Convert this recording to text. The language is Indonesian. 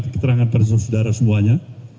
keterangan kepada saudara saudara semuanya